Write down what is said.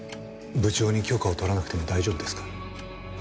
部長に許可を取らなくても大丈夫ですか？